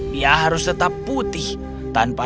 dia harus tetap putih tanpa